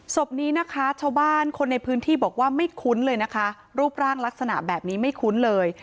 ศพนี้นะคะชาวบ้านคนในพื้นที่บอกว่าไม่คุ้นเลยนะคะรูปร่างลักษณะแบบนี้ไม่คุ้นเลย